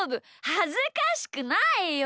はずかしくないよ！